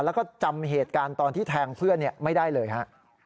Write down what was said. แล้วก็จำเหตุการณ์ตอนที่แทงเพื่อนไม่ได้เลยฮะ